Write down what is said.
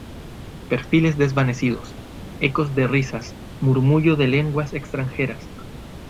perfiles desvanecidos, ecos de risas , murmullo de lenguas extranjeras